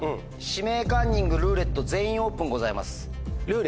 「指名カンニング」「ルーレット」「全員オープン」ございます。